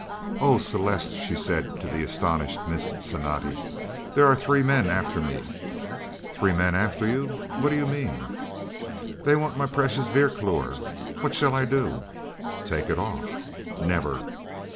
"Oh, Celeste!" she said to the astonished Miss Cinatti, "there are three men after me!" "Three men after you! What do you mean?" "They want my precious 'Vierkleur.' What shall I do?" "Take it off!" "Never!"